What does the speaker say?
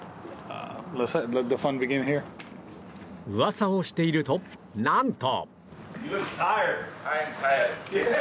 噂をしていると、何と。